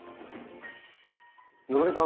希さん